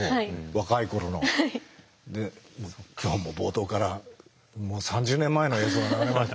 若い頃の。で今日も冒頭からもう３０年前の映像が流れました。